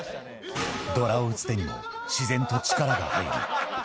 ドラを打つ手に自然と力が入り。